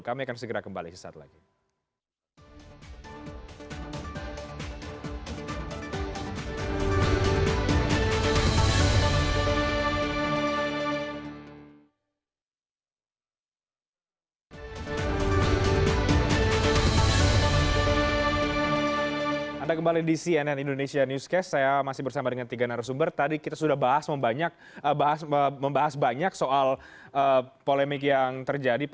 kami akan segera kembali